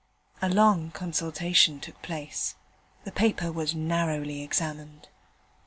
A long consultation took place. The paper was narrowly examined.